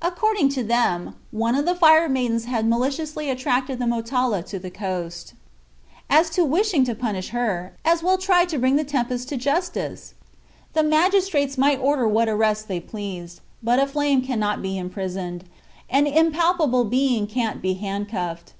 According to them, one of the Fire Maidens had maliciously attracted the Motala to the coast. As to wishing to punish her, as well try to bring the tempest to justice! The magistrates might order what arrests they pleased, but a flame cannot be imprisoned, an impalpable being can't be handcuffed.